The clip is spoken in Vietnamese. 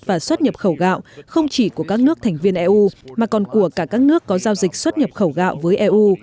và xuất nhập khẩu gạo không chỉ của các nước thành viên eu mà còn của cả các nước có giao dịch xuất nhập khẩu gạo với eu